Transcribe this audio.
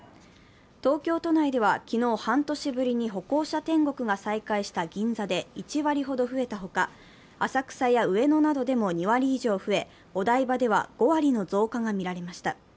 東京都内では昨日、半年ぶりに歩行者天国が再開した銀座で１割ほど増えたほか、浅草や上野などでも２割以上増え、お台場では５割の増加がみられました。